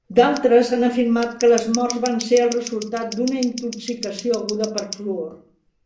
D'altres han afirmat que les morts van ser el resultat d'una intoxicació aguda per fluor.